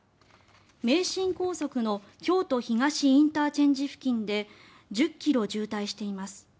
名神高速の京都東ＩＣ付近で１０ｋｍ渋滞しています。